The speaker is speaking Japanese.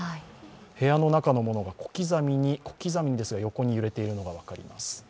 部屋の中の物が小刻みに横に揺れているのが分かります。